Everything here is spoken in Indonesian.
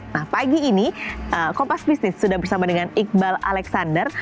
nah pagi ini kompas bisnis sudah bersama dengan iqbal alexander